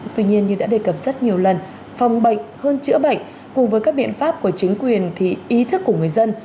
tuy nhiên như đã đề cập rất nhiều lần phòng bệnh hơn chữa bệnh cùng với các biện pháp của chính quyền thì ý thức của người dân